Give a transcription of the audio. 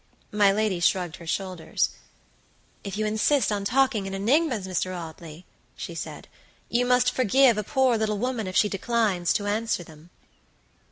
My lady shrugged her shoulders. "If you insist on talking in enigmas, Mr. Audley," she said, "you must forgive a poor little woman if she declines to answer them."